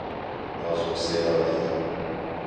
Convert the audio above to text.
نازک صدایی